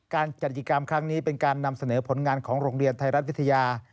จัดกิจกรรมครั้งนี้เป็นการนำเสนอผลงานของโรงเรียนไทยรัฐวิทยา